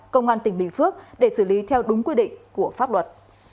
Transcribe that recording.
công an tỉnh bình phước để xử lý theo đúng quy định của pháp luật